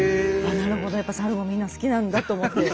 なるほどやっぱサルもみんな好きなんだと思って。